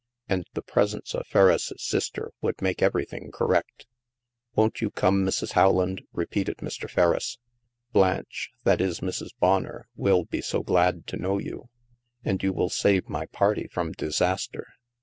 And the presence of Ferriss' sister would make everything correct. "Won't you come, Mrs. Howland?" repeated Mr. Ferriss. " Blanche — that is Mrs. Bonner —; will be so glad to know you. And you will save my party from disaster."